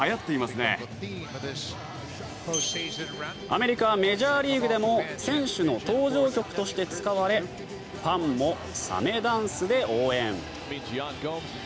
アメリカ・メジャーリーグでも選手の登場曲として使われファンもサメダンスで応援。